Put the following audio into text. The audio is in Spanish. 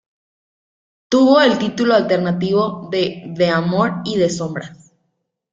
Tuvo el título alternativo de "De amor y de sombras".